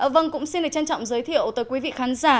vâng cũng xin được trân trọng giới thiệu tới quý vị khán giả